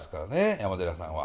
山寺さんは。